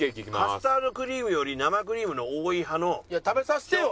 カスタードクリームより生クリームの多い派のシュークリーム。